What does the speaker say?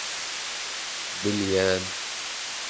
- Bilýän.